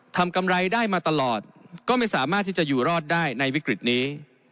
กำไรได้มาตลอดก็ไม่สามารถที่จะอยู่รอดได้ในวิกฤตนี้